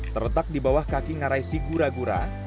terletak di bawah kaki ngarai sigura gura